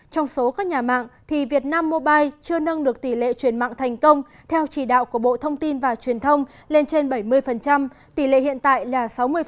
trong số các nhà mạng việt nam mobile chưa nâng được tỷ lệ chuyển mạng thành công theo chỉ đạo của bộ thông tin và truyền thông lên trên bảy mươi tỷ lệ hiện tại là sáu mươi